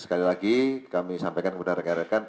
sekali lagi kami sampaikan kepada rekan rekan